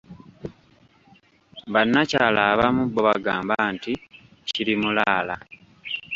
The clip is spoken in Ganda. Bannakyala abamu bo bagamba nti "Kirimulaala"